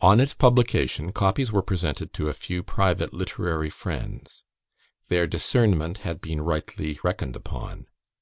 On its publication, copies were presented to a few private literary friends. Their discernment had been rightly reckoned upon.